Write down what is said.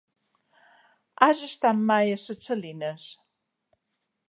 Has estat mai a Ses Salines?